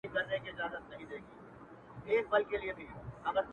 • پر اسمان باندي غوړ لمر وو راختلی -